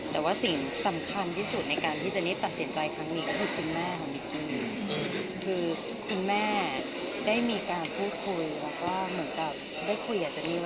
แต่ว่าสิ่งสำคัญที่สุดในการที่เจนนี่ตัดสินใจครั้งนี้